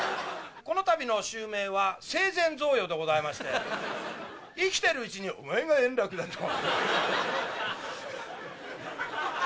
このたびの襲名は、生前贈与でございまして、生きてるうちに、おめえが円楽だと。